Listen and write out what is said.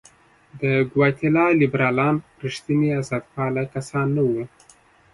د ګواتیلا لیبرالان رښتیني آزادپاله کسان نه وو.